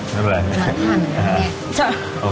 แล้วก็เป็นประสบประเทศรถพร่ำ